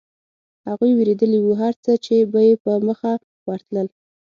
هغوی وېرېدلي و، هرڅه چې به په مخه ورتلل.